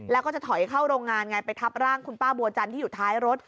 แล้วก็จะถอยเข้าโรงงานไงไปทับร่างคุณป้าบัวจันทร์ที่อยู่ท้ายรถ